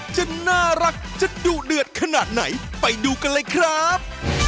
จะน่ารักจะดุเดือดขนาดไหนไปดูกันเลยครับ